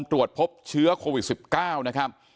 ตรวจพบเชื้อโควิด๑๙นะครับ